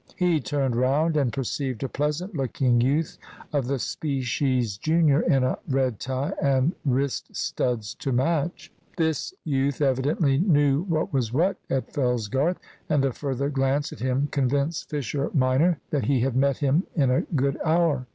He turned round and perceived a pleasant looking youth of the species junior, in a red tie and wrist studs to match. This youth evidently knew what was what at Fellsgarth; and a further glance at him convinced Fisher minor that he had met him in a good hour.